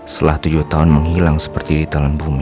setelah tujuh tahun menghilang seperti ditelan bumi